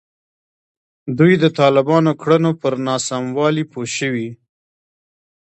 دوی د طالبانو کړنو پر ناسموالي پوه شوي.